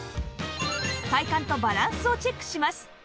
体幹とバランスをチェックします